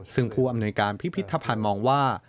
ซึ่งผู้อำนวยการพิพิธภัณฑ์มองว่า